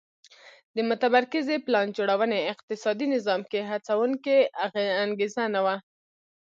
د متمرکزې پلان جوړونې اقتصادي نظام کې هڅوونکې انګېزه نه وه